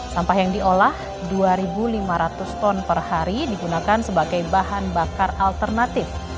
sampah yang diolah dua lima ratus ton per hari digunakan sebagai bahan bakar alternatif